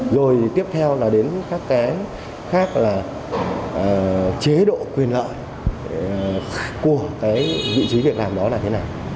rồi tiếp theo là đến các cái khác là chế độ quyền lợi của cái vị trí việc làm đó là thế nào